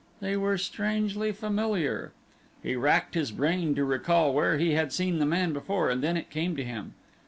They were strangely familiar. He racked his brain to recall where he had seen the man before and then it came to him.